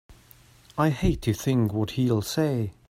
I hate to think what he'll say!